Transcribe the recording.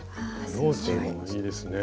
ブローチもいいですね。